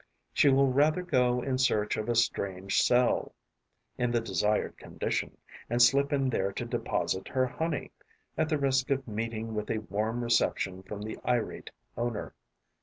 She will rather go in search of a strange cell, in the desired condition, and slip in there to deposit her honey, at the risk of meeting with a warm reception from the irate owner.